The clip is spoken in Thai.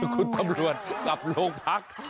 คุณตำรวจกลับโรงพัก